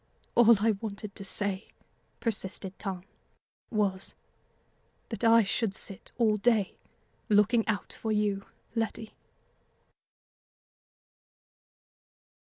"All I wanted to say," persisted Tom, "was, that I should sit all day looking out for you, Letty."